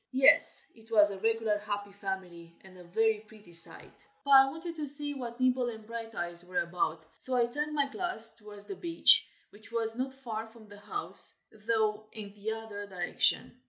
Yes it was a regular Happy Family, and a very pretty sight. But I wanted to see what Nibble and Brighteyes were about, so I turned my glass towards the beach, which was not far from the house, though in the other direction.